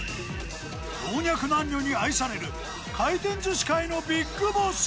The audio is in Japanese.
老若男女に愛される回転寿司界のビッグボス。